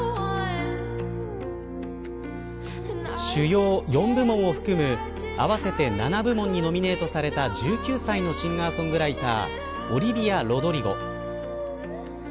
主要４部門を含む合わせて７部門にノミネートされた１９歳のシンガー・ソングライターオリヴィア・ロドリゴ。